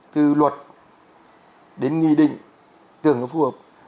từ luật đến nghị định tưởng nó phù hợp